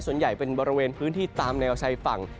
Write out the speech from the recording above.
ส่วนใหญ่เป็นบริเวณพื้นที่ตามแนวชายฝั่ง